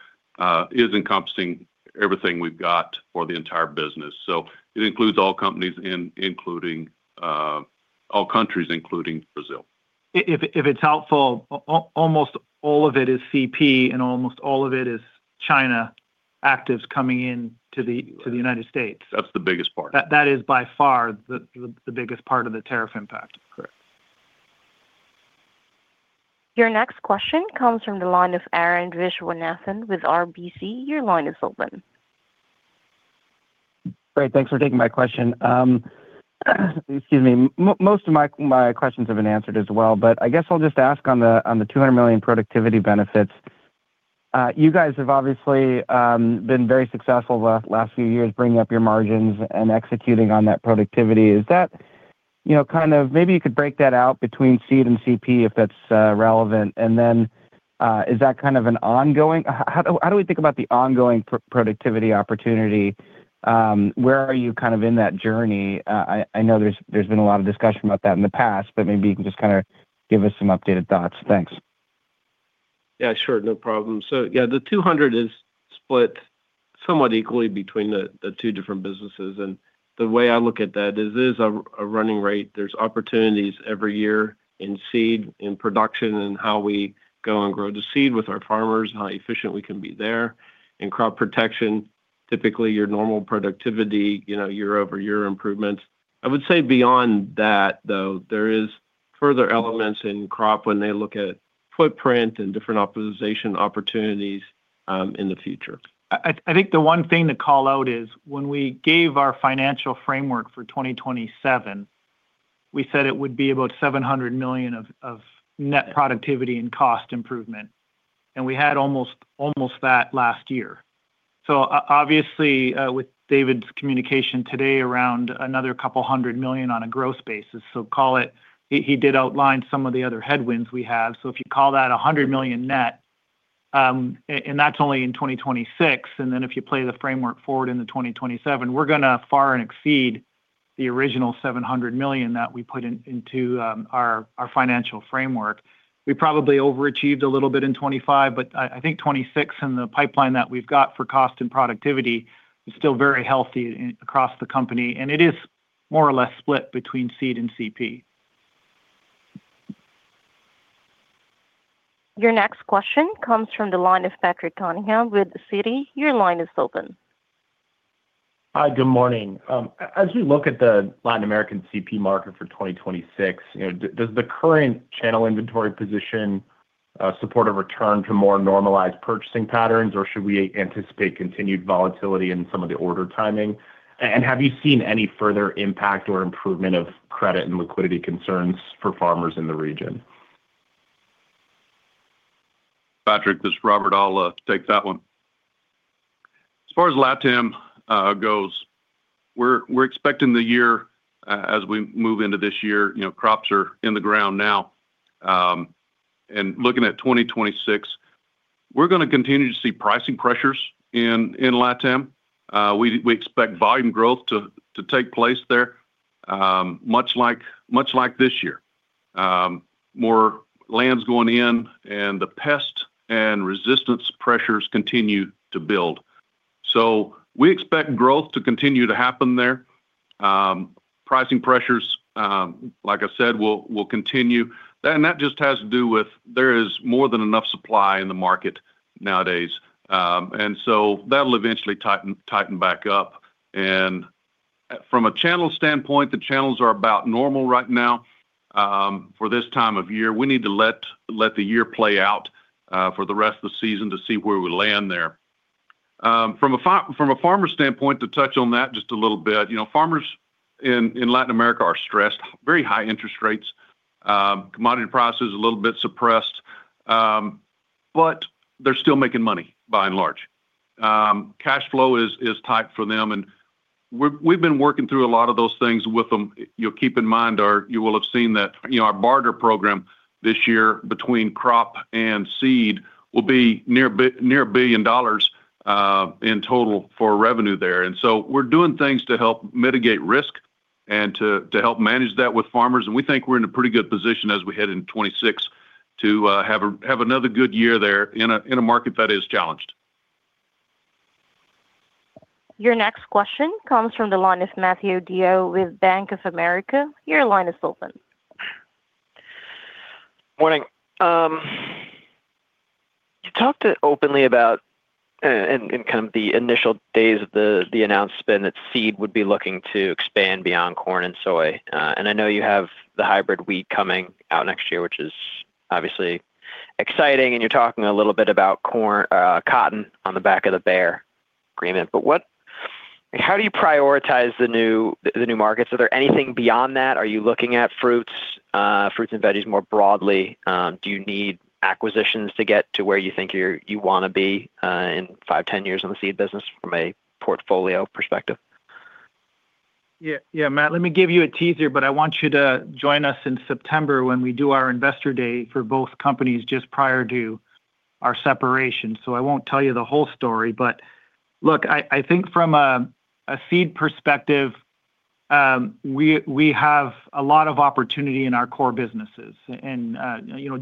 is encompassing everything we've got for the entire business. So it includes all companies, including all countries, including Brazil. If it's helpful, almost all of it is CP, and almost all of it is China actives coming into the United States. That's the biggest part. That is by far the biggest part of the tariff impact. Correct. Your next question comes from the line of Arun Viswanathan with RBC. Your line is open. Great. Thanks for taking my question. Excuse me. Most of my questions have been answered as well, but I guess I'll just ask on the $200 million productivity benefits. You guys have obviously been very successful the last few years bringing up your margins and executing on that productivity. Is that kind of maybe you could break that out between seed and CP if that's relevant. And then is that kind of an ongoing how do we think about the ongoing productivity opportunity? Where are you kind of in that journey? I know there's been a lot of discussion about that in the past, but maybe you can just kind of give us some updated thoughts. Thanks. Yeah. Sure. No problem. So yeah, the $200 is split somewhat equally between the two different businesses. And the way I look at that is it is a running rate. There's opportunities every year in seed, in production, and how we go and grow the seed with our farmers and how efficient we can be there. In crop protection, typically, your normal productivity, year-over-year improvements. I would say beyond that, though, there are further elements in crop when they look at footprint and different optimization opportunities in the future. I think the one thing to call out is when we gave our financial framework for 2027, we said it would be about $700 million of net productivity and cost improvement. And we had almost that last year. So obviously, with David's communication today around another couple hundred million on a growth basis, so call it he did outline some of the other headwinds we have. So if you call that $100 million net, and that's only in 2026, and then if you play the framework forward into 2027, we're going to far and exceed the original $700 million that we put into our financial framework. We probably overachieved a little bit in 2025, but I think 2026 and the pipeline that we've got for cost and productivity is still very healthy across the company. And it is more or less split between seed and CP. Your next question comes from the line of Patrick Cunningham with Citi. Your line is open. Hi. Good morning. As we look at the Latin American CP market for 2026, does the current channel inventory position support a return to more normalized purchasing patterns, or should we anticipate continued volatility in some of the order timing? Have you seen any further impact or improvement of credit and liquidity concerns for farmers in the region? Patrick, this is Robert. I'll take that one. As far as LatAm goes, we're expecting the year as we move into this year. Crops are in the ground now. Looking at 2026, we're going to continue to see pricing pressures in LatAm. We expect volume growth to take place there, much like this year. More land's going in, and the pest and resistance pressures continue to build. We expect growth to continue to happen there. Pricing pressures, like I said, will continue. That just has to do with there is more than enough supply in the market nowadays. That'll eventually tighten back up. From a channel standpoint, the channels are about normal right now for this time of year. We need to let the year play out for the rest of the season to see where we land there. From a farmer standpoint, to touch on that just a little bit, farmers in Latin America are stressed. Very high interest rates. Commodity prices are a little bit suppressed, but they're still making money, by and large. Cash flow is tight for them. And we've been working through a lot of those things with them. Keep in mind, or you will have seen that our barter program this year between crop and seed will be near $1 billion in total for revenue there. And so we're doing things to help mitigate risk and to help manage that with farmers. And we think we're in a pretty good position as we head into 2026 to have another good year there in a market that is challenged. Your next question comes from the line of Matthew DeYoe with Bank of America. Your line is open. Morning. You talked openly about in kind of the initial days of the announcement that seed would be looking to expand beyond corn and soy. And I know you have the hybrid wheat coming out next year, which is obviously exciting. And you're talking a little bit about cotton on the back of the Bayer agreement. But how do you prioritize the new markets? Is there anything beyond that? Are you looking at fruits and veggies more broadly? Do you need acquisitions to get to where you think you want to be in 5, 10 years on the seed business from a portfolio perspective? Yeah. Yeah, Matt. Let me give you a teaser, but I want you to join us in September when we do our investor day for both companies just prior to our separation. So I won't tell you the whole story. But look, I think from a seed perspective, we have a lot of opportunity in our core businesses. And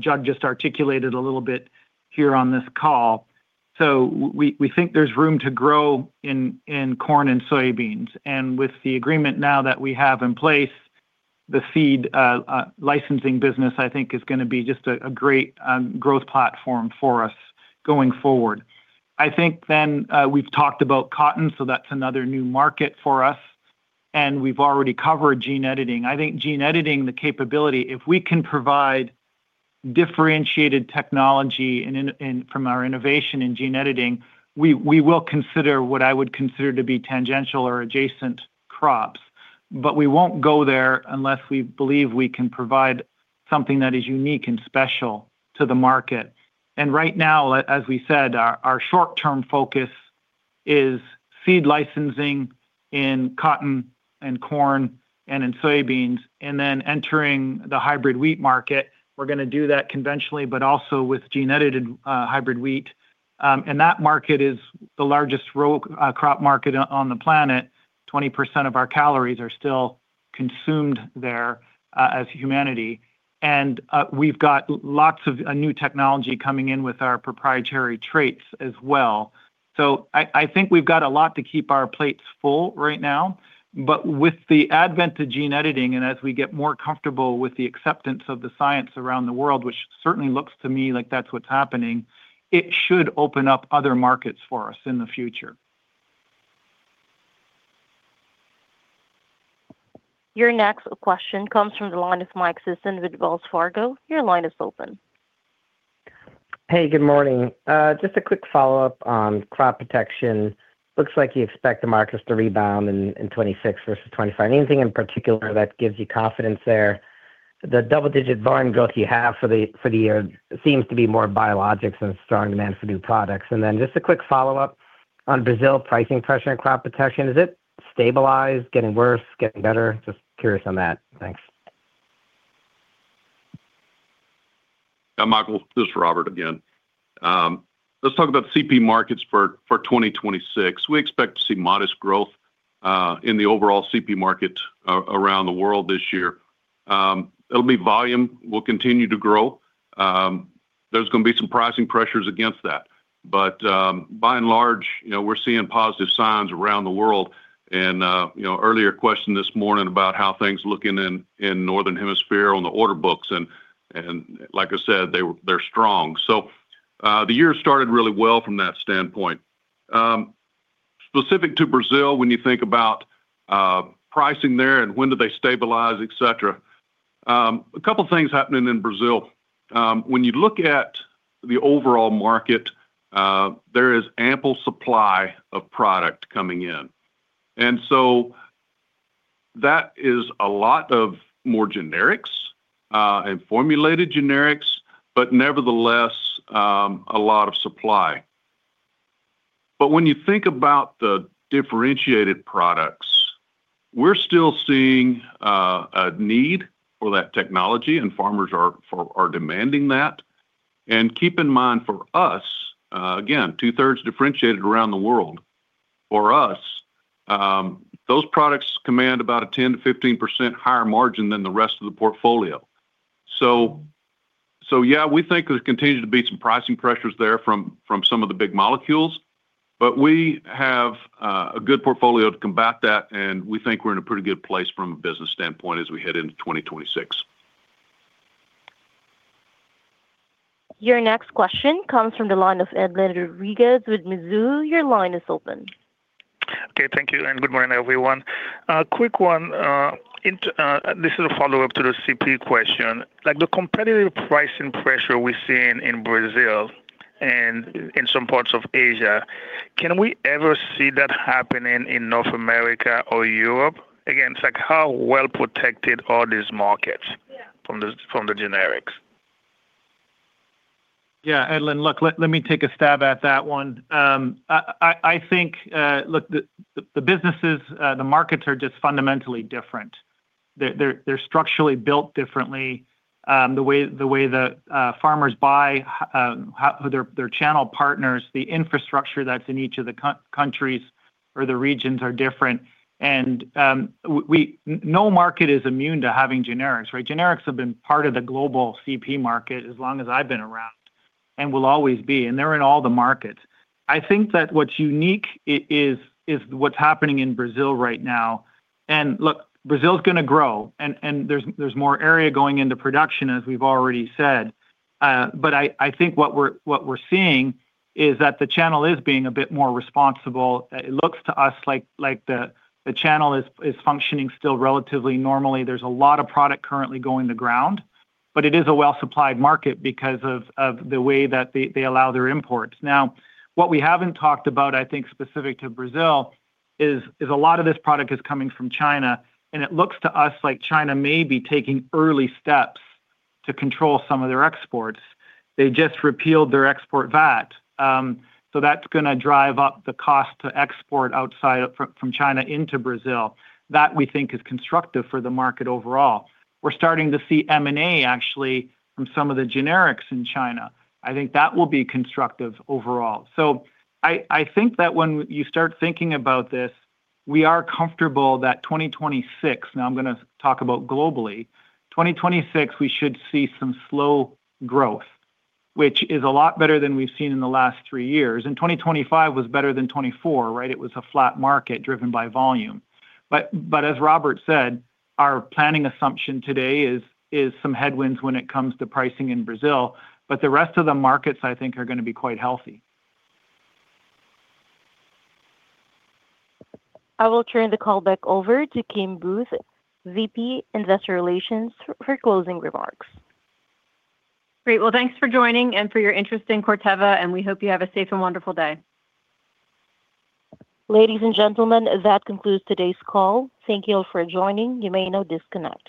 Judd just articulated a little bit here on this call. So we think there's room to grow in corn and soybeans. And with the agreement now that we have in place, the seed licensing business, I think, is going to be just a great growth platform for us going forward. I think then we've talked about cotton, so that's another new market for us. And we've already covered gene editing. I think gene editing, the capability, if we can provide differentiated technology from our innovation in gene editing, we will consider what I would consider to be tangential or adjacent crops. But we won't go there unless we believe we can provide something that is unique and special to the market. And right now, as we said, our short-term focus is seed licensing in cotton and corn and in soybeans. And then entering the hybrid wheat market, we're going to do that conventionally, but also with gene-edited hybrid wheat. And that market is the largest crop market on the planet. 20% of our calories are still consumed there as humanity. And we've got lots of new technology coming in with our proprietary traits as well. So I think we've got a lot to keep our plates full right now. But with the advent of gene editing and as we get more comfortable with the acceptance of the science around the world, which certainly looks to me like that's what's happening, it should open up other markets for us in the future. Your next question comes from the line of Michael Sisson with Wells Fargo. Your line is open. Hey. Good morning. Just a quick follow-up on crop protection. Looks like you expect the markets to rebound in 2026 versus 2025. Anything in particular that gives you confidence there? The double-digit volume growth you have for the year seems to be more biologicals and strong demand for new products. And then just a quick follow-up on Brazil pricing pressure and crop protection. Is it stabilized, getting worse, getting better? Just curious on that. Thanks. Yeah, Michael. This is Robert again. Let's talk about CP markets for 2026. We expect to see modest growth in the overall CP market around the world this year. It'll be volume. We'll continue to grow. There's going to be some pricing pressures against that. But by and large, we're seeing positive signs around the world. And earlier question this morning about how things look in Northern Hemisphere on the order books. And like I said, they're strong. So the year started really well from that standpoint. Specific to Brazil, when you think about pricing there and when do they stabilize, etc., a couple of things happening in Brazil. When you look at the overall market, there is ample supply of product coming in. And so that is a lot of more generics and formulated generics, but nevertheless, a lot of supply. But when you think about the differentiated products, we're still seeing a need for that technology, and farmers are demanding that. And keep in mind for us, again, two-thirds differentiated around the world, for us, those products command about a 10%-15% higher margin than the rest of the portfolio. So yeah, we think there continues to be some pricing pressures there from some of the big molecules. But we have a good portfolio to combat that, and we think we're in a pretty good place from a business standpoint as we head into 2026. Your next question comes from the line of Edlain Rodriguez with Mizuho. Your line is open. Okay. Thank you. And good morning, everyone. Quick one. This is a follow-up to the CP question. The competitive pricing pressure we're seeing in Brazil and in some parts of Asia, can we ever see that happening in North America or Europe? Again, how well protected are these markets from the generics? Yeah. Edlain, look, let me take a stab at that one. I think, look, the businesses, the markets are just fundamentally different. They're structurally built differently. The way the farmers buy, their channel partners, the infrastructure that's in each of the countries or the regions are different. And no market is immune to having generics, right? Generics have been part of the global CP market as long as I've been around and will always be. And they're in all the markets. I think that what's unique is what's happening in Brazil right now. And look, Brazil's going to grow. And there's more area going into production, as we've already said. But I think what we're seeing is that the channel is being a bit more responsible. It looks to us like the channel is functioning still relatively normally. There's a lot of product currently going to ground. But it is a well-supplied market because of the way that they allow their imports. Now, what we haven't talked about, I think, specific to Brazil, is a lot of this product is coming from China. And it looks to us like China may be taking early steps to control some of their exports. They just repealed their export VAT. So that's going to drive up the cost to export outside from China into Brazil. That, we think, is constructive for the market overall. We're starting to see M&A, actually, from some of the generics in China. I think that will be constructive overall. So I think that when you start thinking about this, we are comfortable that 2026 now, I'm going to talk about globally. 2026, we should see some slow growth, which is a lot better than we've seen in the last three years. 2025 was better than 2024, right? It was a flat market driven by volume. But as Robert said, our planning assumption today is some headwinds when it comes to pricing in Brazil. But the rest of the markets, I think, are going to be quite healthy. I will turn the call back over to Kim Booth, VP Investor Relations, for closing remarks. Great. Well, thanks for joining and for your interest in Corteva. We hope you have a safe and wonderful day. Ladies and gentlemen, that concludes today's call. Thank you all for joining. You may now disconnect.